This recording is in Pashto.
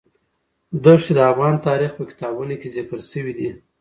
دښتې د افغان تاریخ په کتابونو کې ذکر شوی دي.